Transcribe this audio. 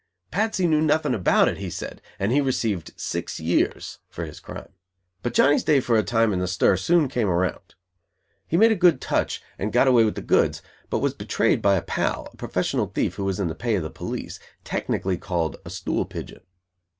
Patsy knew nothing about it, he said; and he received six years for his crime. But Johnny's day for a time in the "stir" soon came around. He made a good "touch", and got away with the goods, but was betrayed by a pal, a professional thief who was in the pay of the police, technically called a "stool pigeon".